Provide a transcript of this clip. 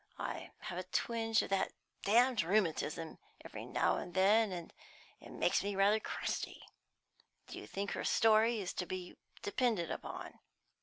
"I have a twinge of that damned rheumatism every now and then, and it makes me rather crusty. Do you think her story is to be depended upon?"